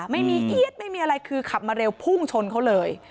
ไม่มีเอี๊ยดไม่มีอะไรคือขับมาเร็วพุ่งชนเขาเลย